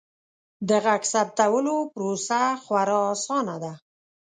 د غږ ثبتولو پروسه خورا اسانه ده.